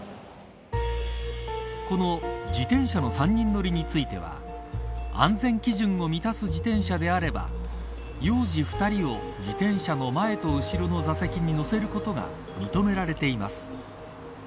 この自転車の３人乗りについては安全基準を満たしている自転車であれば幼児２人を自転車の前と後ろの座席に乗せることは認められています。